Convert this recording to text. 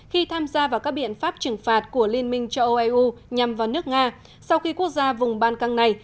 khi tham gia vào các biện pháp trừng phạt của liên minh châu âu eu nhằm vào nước nga sau khi quốc gia vùng ban căng này